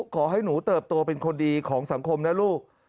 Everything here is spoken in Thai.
ขอให้หนูเติบโตเป็นคนดีของสังคมนะลูก